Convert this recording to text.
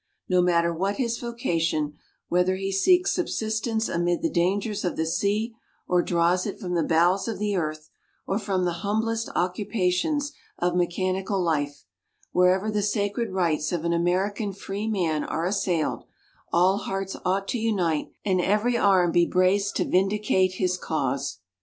No matter what his vocation, whether he seeks subsistence amid the dangers of the sea, or draws it from the bowels of the earth, or from the humblest occupations of mechanical life wherever the sacred rights of an American freeman are assailed, all hearts ought to unite and every arm be braced to vindicate his cause.